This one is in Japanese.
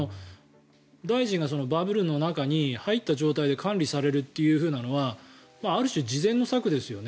大臣がバブルの中に入った状態で管理されるというふうなのはある種、次善の策ですよね。